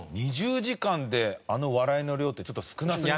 ２０時間であの笑いの量ってちょっと少なすぎ。